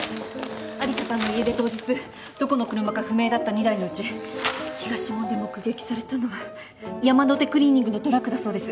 有沙さんの家出当日どこの車か不明だった２台のうち東門で目撃されたのはヤマノテクリーニングのトラックだそうです。